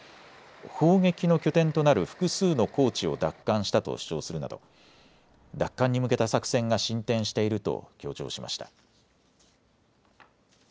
砲撃の拠点となる複数の高地を奪還したと主張するなど奪還に向けた作戦が進展していると強調しました。